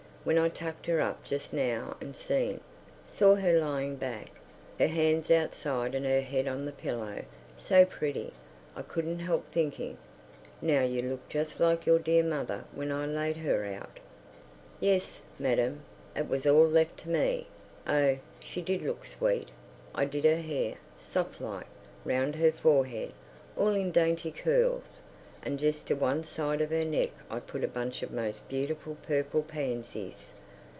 When I tucked her up just now and seen—saw her lying back, her hands outside and her head on the pillow—so pretty—I couldn't help thinking, "Now you look just like your dear mother when I laid her out!" ... Yes, madam, it was all left to me. Oh, she did look sweet. I did her hair, soft like, round her forehead, all in dainty curls, and just to one side of her neck I put a bunch of most beautiful purple pansies.